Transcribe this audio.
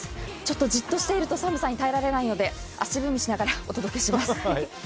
じっとしていると寒さに耐えられないので足踏みしながらお届けします。